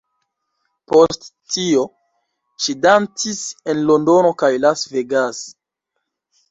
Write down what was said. Post tio, ŝi dancis en Londono kaj Las Vegas.